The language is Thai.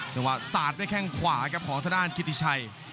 แต่ว่าศาสตร์ไม่แข่งขวาครับของท่านอ้านกิติชัย